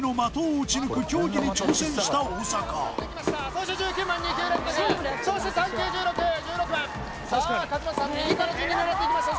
打ち抜く競技に挑戦した大坂そして１９番２球連続そして３球１６１６番さあ勝俣さん右から順に狙っていきました